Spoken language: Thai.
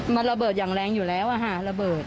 มันระเบิดอย่างแรงอยู่แล้วระเบิด